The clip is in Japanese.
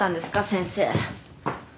先生。